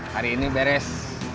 hari ini beres